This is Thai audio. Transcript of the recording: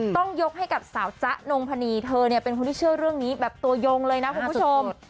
ต้องยกให้กับสาวจ๊ะนงพนีเธอเนี่ยเป็นคนที่เชื่อเรื่องนี้แบบตัวยงเลยนะคุณผู้ชม